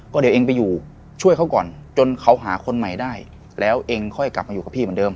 เดี๋ยวเองไปอยู่ช่วยเขาก่อนจนเขาหาคนใหม่ได้แล้วเองค่อยกลับมาอยู่กับพี่เหมือนเดิม